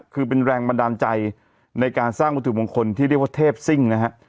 คือเป็นแรงบันดาลใจในการสร้างวัตถุมงคลที่เรียกว่าเทพซิ่งนะฮะ